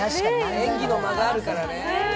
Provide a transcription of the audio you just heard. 演技の間があるからね。